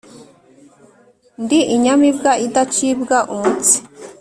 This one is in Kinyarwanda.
Ndi inyamibwa idacibwa umutsi